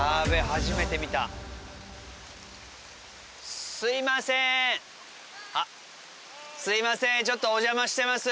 初めて見たはいあっすいませんちょっとお邪魔してます